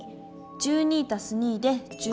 １２＋２で１４。